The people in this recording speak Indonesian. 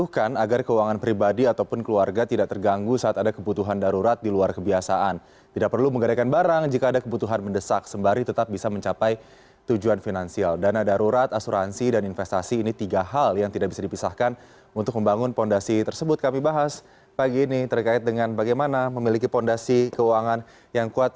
kami bahas pagi ini terkait dengan bagaimana memiliki fondasi keuangan yang kuat